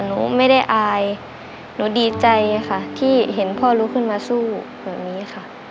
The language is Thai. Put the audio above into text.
หนูไม่ได้อายหนูดีใจค่ะที่เห็นพ่อลุกขึ้นมาสู้แบบนี้ค่ะ